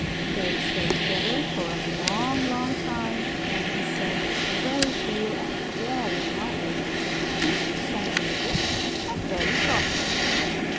They stayed together for a long, long time, and he sang a great deal and very loudly, and she sang a little and very softly.